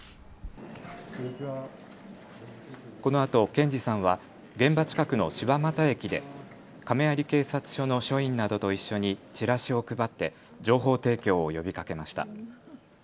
このあと賢二さんは現場近くの柴又駅で亀有警察署の署員などと一緒にチラシを配って情報提供を呼びかけました。